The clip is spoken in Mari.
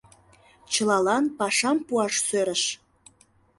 Чылалан пашам пуаш сӧрыш.